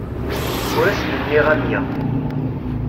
Ur asen-nniɣ amya.